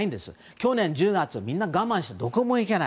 去年１０月、みんなが我慢してどこも行けない。